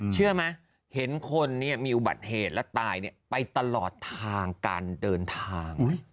เชื่อไหมเห็นคนมีอุบัติเหตุและตายไปตลอดทางการเดินทาง